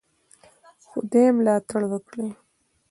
خدای ملاتړ وکړی.